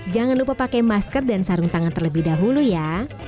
jangan lupa pakai masker dan sarung tangan terlebih dahulu ya